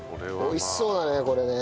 美味しそうだねこれね。